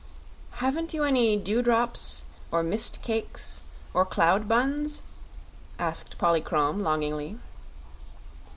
"Haven't you any dewdrops, or mist cakes, or cloudbuns?" asked Polychrome, longingly.